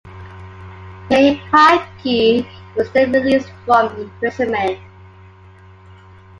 Bayhaqi was then released from imprisonment.